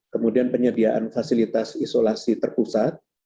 kemudian penyediaan fasilitas isolasi terpusat